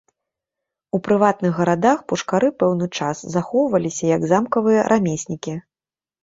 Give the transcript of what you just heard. У прыватных гарадах пушкары пэўны час захоўваліся як замкавыя рамеснікі.